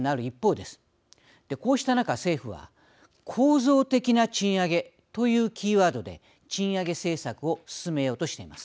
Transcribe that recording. で、こうした中、政府は構造的な賃上げというキーワードで賃上げ政策を進めようとしています。